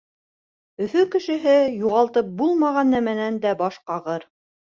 Өфө кешеһе юғалтып булмаған нәмәнән дә баш ҡағыр.